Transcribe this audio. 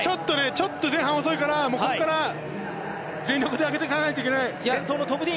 ちょっと前半遅いからここから全力で上げていかないといけない。